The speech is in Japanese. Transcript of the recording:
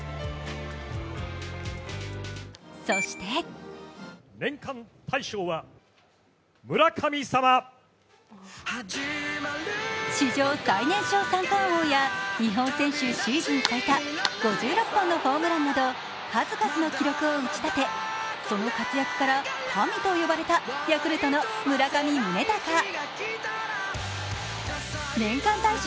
そして史上最年少三冠王や日本選手シーズン最多５６本のホームランなど数々の記録を打ち立て、その活躍から神と呼ばれたヤクルトの村上宗隆選手。